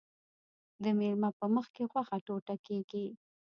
د میلمه په مخکې غوښه ټوټه کیږي.